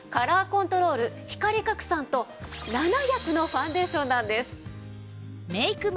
コントロール光拡散と７役のファンデーションなんです。